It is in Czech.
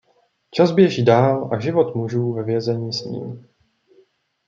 Čas běží dál a život mužů ve vězení s ním.